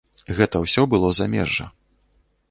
Гэта ўсё было замежжа.